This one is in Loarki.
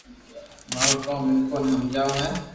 مارو ڪوم مينکو ني ھمجاو ھي